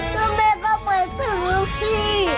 เพราะแม่ก็ไปซื้อขี้